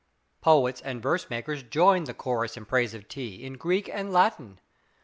Poets and verse makers joined the chorus in praise of tea, in Greek and Latin.